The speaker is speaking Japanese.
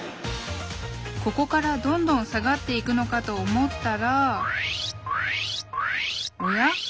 ここからどんどん下がっていくのかと思ったらおや？